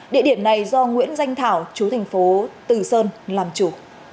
địa điểm này do nguyễn danh thảo chú thành phố từ sơn làm chủ